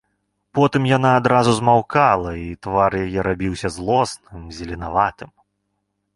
Потым яна адразу змаўкала, і твар яе рабіўся злосным, зеленаватым.